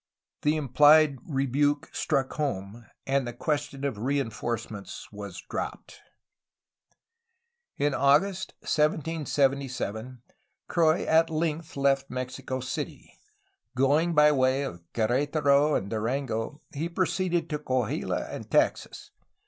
The implied rebuke struck home, and the question of reinforcements was dropped. In August 1777 Croix at length left Mexico City. Going by way of Quer^taro and Durango, he proceeded to Coahuila and Texas.